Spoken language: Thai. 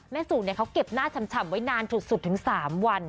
แม่สุเนี่ยเขาเก็บหน้าชำไว้นานสุดถึง๓วัน